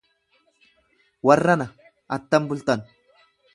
Warrana, attam bultan?